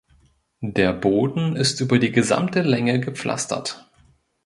Der Boden ist über die gesamte Länge gepflastert.